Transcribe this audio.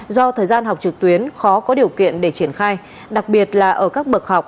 do thời gian học trực tuyến khó có điều kiện để triển khai đặc biệt là ở các bậc học